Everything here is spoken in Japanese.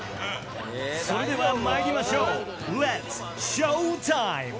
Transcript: それではまいりましょうレッツショータイム！